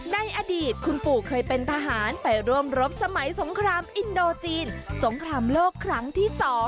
ในอดีตคุณปู่เคยเป็นทหารไปร่วมรบสมัยสงครามอินโดจีนสงครามโลกครั้งที่๒